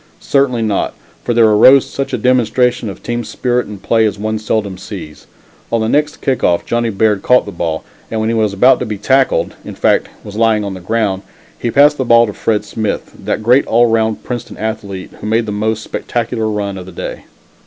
Certainly not, for there arose such a demonstration of team spirit and play as one seldom sees. On the next kick off Johnnie Baird caught the ball, and when he was about to be tackled in fact, was lying on the ground he passed the ball to Fred Smith, that great all round Princeton athlete, who made the most spectacular run of the day.